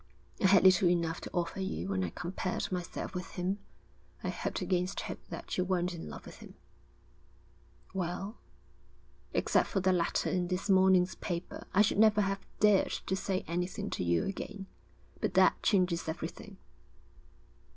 I had little enough to offer you when I compared myself with him. I hoped against hope that you weren't in love with him.' 'Well?' 'Except for that letter in this morning's paper I should never have dared to say anything to you again. But that changes everything.'